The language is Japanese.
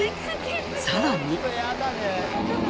さらに。